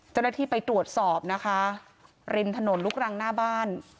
เจ้าหน้าที่ไปตรวจสอบนะคะริมถนนลูกรังหน้าบ้าน